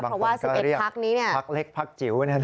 บางคนก็เรียกพักเล็กพักจิ๋ว